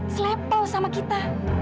selepel sama kita